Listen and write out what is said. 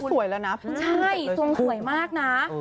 นี่ก็สวยแล้วนะใช่ส่วนสวยมากนะ